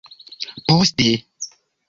Poste?